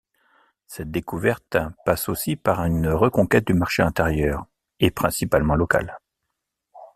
Cette découverte passe aussi par une reconquête du marché intérieur et principalement local.